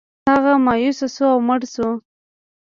هغه مایوسه شو او مړ شو.